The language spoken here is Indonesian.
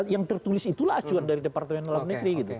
yang tertulis itulah acuan dari departemen dalam negeri gitu